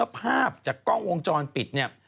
ภาพจากกล้องวงจรปิดเนี่ย